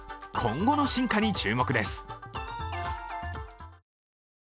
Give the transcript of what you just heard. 今後の進化に注目です。